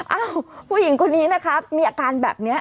เอ้าผู้หญิงคนนี้นะคะมีอาการแบบนี้